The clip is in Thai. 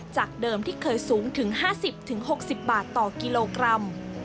จากเดิมที่เคยสูงถึง๕๐๖๐บาทต่อกิโลกรัม